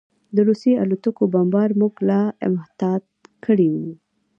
د روسي الوتکو بمبار موږ لا محتاط کړي وو